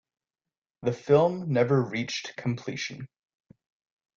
The film never reached completion.